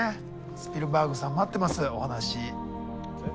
スピルバーグさん待ってますお話。